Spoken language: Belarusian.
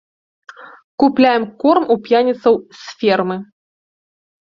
Купляем корм у п'яніцаў з фермы.